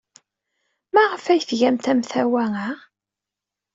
Maɣef ay tgamt amtawa-a?